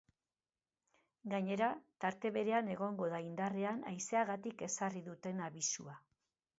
Gainera, tarte berean egongo da indarrean haizeagatik ezarri duten abisua.